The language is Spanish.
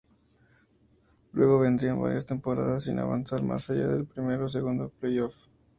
Luego vendrían varias temporadas sin avanzar más allá del primer o segundo Play off.